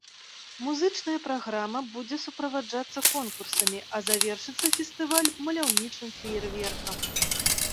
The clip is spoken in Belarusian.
Музычная праграмы будзе суправаджацца конкурсамі, а завершыцца фестываль маляўнічым феерверкам.